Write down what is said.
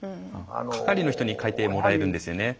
係の人に書いてもらえるんですよね。